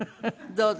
どうぞ。